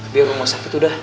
biar rumah sakit udah